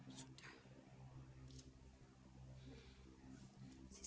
si samir dan manusia menggigit